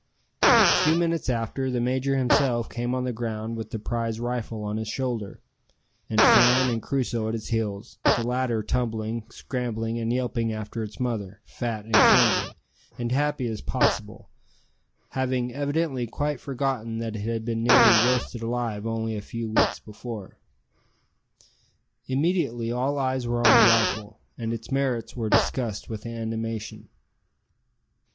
A few minutes after, the major himself came on the ground with the prize rifle on his shoulder, and Fan and Crusoe at his heels the latter tumbling, scrambling, and yelping after its mother, fat and clumsy, and happy as possible, having evidently quite forgotten that it had been nearly roasted alive only a few weeks before. Immediately all eyes were on the rifle, and its merits were discussed with animation.